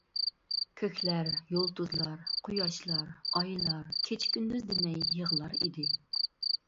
كۆكلەر، يۇلتۇزلار، قۇياشلار، ئايلار، كېچە-كۈندۈز دېمەي يىغلار ئىدى.